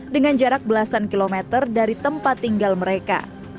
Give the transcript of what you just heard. dengan jarak belasan kilometer dari tempat tinggal mereka